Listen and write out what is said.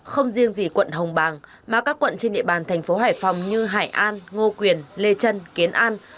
không riêng gì quận hồng bàng mà các quận trên địa bàn thành phố hải phòng như hải an ngô quyền lê trân kiến an